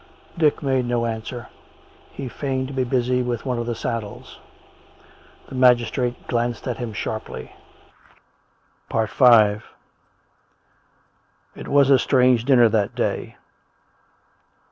Dick made no answer. He feigned to be busy with one of the saddles. The magistrate glanced at him sharply. It was a strange dinner that day.